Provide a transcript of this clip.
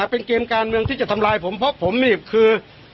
เป็นเกมการเมืองที่จะทำลายผมเพราะผมนี่คือ